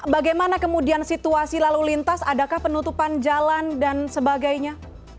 bagaimana kemudian situasi lalu lintas adakah penutupan jalan dan sebagainya